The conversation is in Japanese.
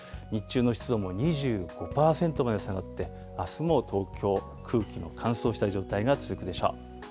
日中の湿度も２５％まで下がって、あすも東京、空気の乾燥した状態が続くでしょう。